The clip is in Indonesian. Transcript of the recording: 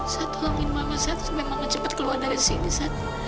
saat tolongin mama satu sampai mama cepet keluar dari sini saat